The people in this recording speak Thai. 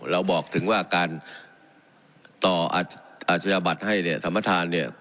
เราบอกถึงว่าการต่ออาชญาบัตรให้เนี่ยสัมประธานเนี่ย